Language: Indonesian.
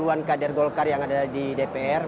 sembilan puluh an kader golkar yang ada di dpr